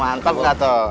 mantep gak tuh